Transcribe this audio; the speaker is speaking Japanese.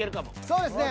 そうですね。